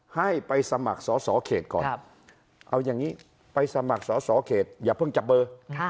ให้ไปสมัครสอสอเขตก่อนเอาอย่างนี้ไปสมัครสอสอเขตอย่าเพิ่งจับเบอร์